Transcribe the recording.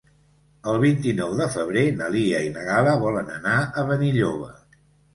El vint-i-nou de febrer na Lia i na Gal·la volen anar a Benilloba.